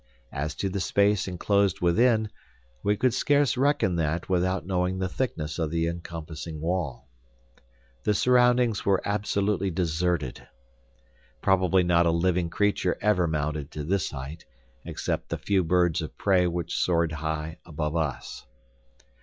As to the space enclosed within, we could scarce reckon that without knowing the thickness of the encompassing wall. The surroundings were absolutely deserted. Probably not a living creature ever mounted to this height, except the few birds of prey which soared high above us.